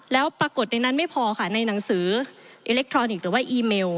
แล้วปรากฏในนั้นไม่พอค่ะในหนังสืออิเล็กทรอนิกส์หรือว่าอีเมล